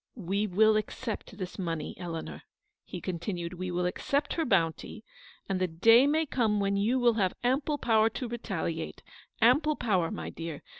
"We will accept this money, Eleanor," he con tinned, " we will accept her bounty ; and the day may come when you will have ample power to retaliate — ample power, my dear.